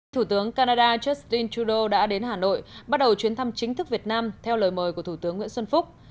thủ tướng canada justin trudeau đã đến hà nội bắt đầu chuyến thăm chính thức việt nam theo lời mời của thủ tướng nguyễn xuân phúc